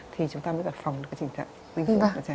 thì chúng ta mới phòng được trình trạng